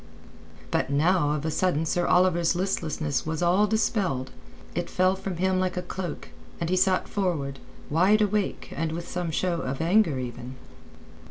But now of a sudden Sir Oliver's listlessness was all dispelled. It fell from him like a cloak, and he sat forward, wide awake and with some show of anger even.